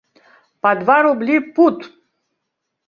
Па два рублі пуд!